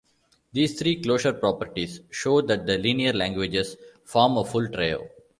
These three closure properties show that the linear languages form a full trio.